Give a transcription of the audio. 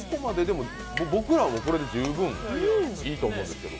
僕らはこれで十分いいと思うんですけど。